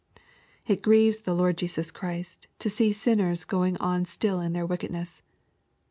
It grieves the Lord Jesus Christ to see sinners going on still in their wickedness.